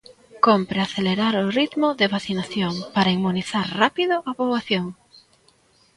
Cómpre acelerar o ritmo de vacinación para inmunizar rápido á poboación.